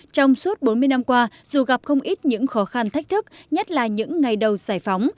trong suốt bốn mươi năm qua dù gặp không ít những khó khăn thách thức nhất là những ngày đầu giải phóng